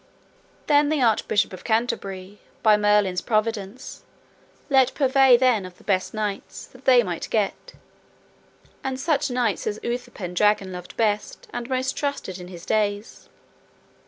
Then the Archbishop of Canterbury by Merlin's providence let purvey then of the best knights that they might get, and such knights as Uther Pendragon loved best and most trusted in his days.